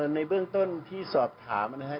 ในเบื้องต้นที่สอบถามนะครับ